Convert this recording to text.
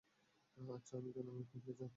আচ্ছা, আমি জানাবো, এখন, প্লিজ যাও।